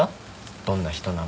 「どんな人なの？」